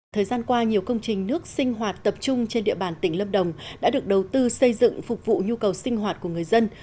thời gian qua nhiều công trình nước sinh hoạt tập trung trên địa bàn tỉnh lâm đồng đã được đầu tư xây dựng phục vụ nhu cầu sinh hoạt của người dân